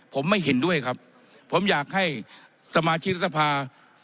ผมไม่เห็นด้วยครับผมอยากให้สมาชิกรัฐสภา